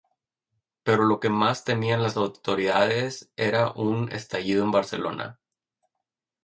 Pero lo que más temían las autoridades era un estallido en Barcelona.